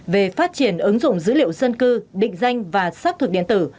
về phát triển ứng dụng dữ liệu dân cư định danh và sắp thuộc điện tử